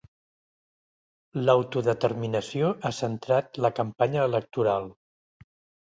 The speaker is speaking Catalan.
L'autodeterminació ha centrat la campanya electoral.